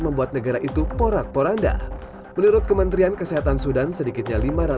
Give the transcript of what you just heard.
membuat negara itu porak poranda menurut kementerian kesehatan sudan sedikitnya